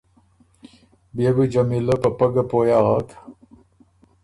بيې بو جمیلۀ په پۀ ګه پویٛ اغک